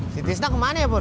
si tisna kemana ya pur